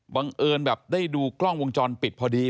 บังเอิญแบบได้ดูกล้องวงจรปิดพอดี